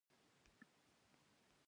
هر محصول باید په دواړو ژبو وي.